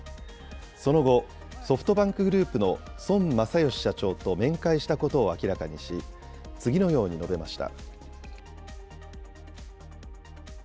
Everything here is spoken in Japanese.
その後、ソフトバンクグループの孫正義社長と面会したことを明らかにし、次のように述べました。